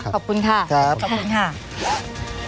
ขอบคุณค่ะขอบคุณค่ะ